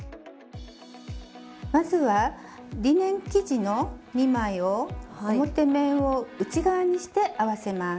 まずはリネン生地の２枚を表面を内側にして合わせます。